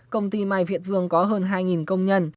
công ty mai việt vương có hơn hai công nhân